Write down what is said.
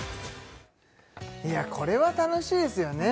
いやこれは楽しいですよね